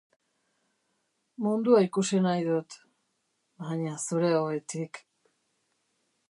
mundua ikusi nahi dut, baina zure ohetik.